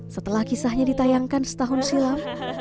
setelah kisahnya ditayangkan setahun silam